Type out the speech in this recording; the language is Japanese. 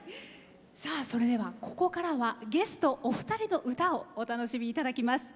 それでは、ここからはゲストお二人の歌をお楽しみいただきます。